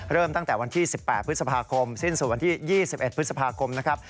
เริ่มตั้งแต่วันที่๑๘พฤษภาคมสิ้นสู่วันที่๒๑พฤษภาคมนะครับ